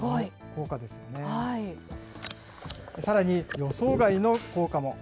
さらに、予想外の効果も。